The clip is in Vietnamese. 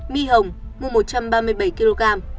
my hồng mua một trăm ba mươi bảy kg